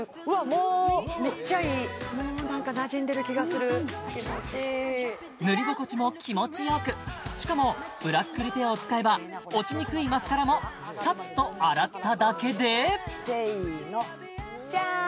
もうもう何かなじんでる気がする気持ちいい塗り心地も気持ち良くしかもブラックリペアを使えば落ちにくいマスカラもさっと洗っただけでせいのジャン！